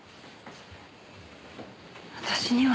私には。